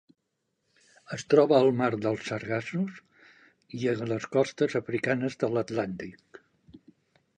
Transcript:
Es troba al Mar dels Sargassos i a les costes africanes de l'Atlàntic.